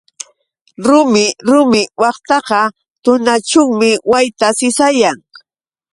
Rumi rumi waqtapa tunaćhuumi wayta sisayan.